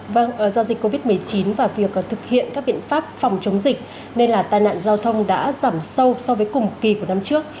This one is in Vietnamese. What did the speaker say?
vâng do dịch covid một mươi chín và việc thực hiện các biện pháp phòng chống dịch nên là tai nạn giao thông đã giảm sâu so với cùng kỳ của năm trước